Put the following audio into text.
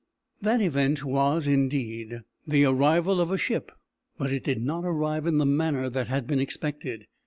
That event was, indeed, the arrival of a ship, but it did not arrive in the manner that had been expected.